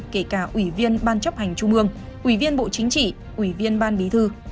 kể cả ủy viên ban chấp hành trung ương ủy viên bộ chính trị ủy viên ban bí thư